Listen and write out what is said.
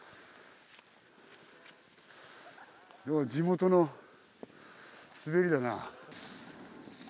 地元の滑りだな。